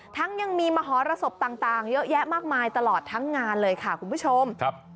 ยังมีมหรสบต่างเยอะแยะมากมายตลอดทั้งงานเลยค่ะคุณผู้ชม